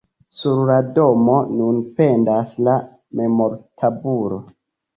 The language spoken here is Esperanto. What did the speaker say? Sur la domo nun pendas la memortabulo.